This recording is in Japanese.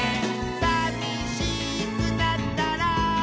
「さみしくなったら」